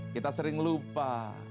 kita sering lupa